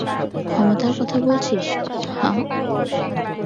ক্ষমতার কথা বলছিস, হাহ্?